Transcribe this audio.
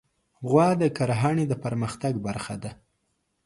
غوا د کرهڼې د پرمختګ برخه ده.